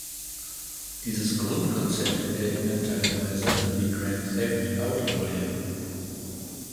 Dieses Grundkonzept erinnert teilweise an die Grand-Theft-Auto-Reihe.